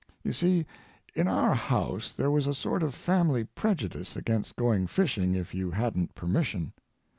You see, in our house there was a sort of family prejudice against going fishing if you hadn't permission.